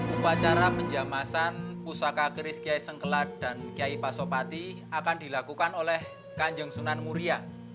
upacara penjamasan pusaka keris kiai sengkelat dan kiai pasopati akan dilakukan oleh kanjeng sunan muria